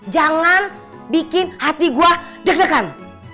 jangan bikin hati gue deg degan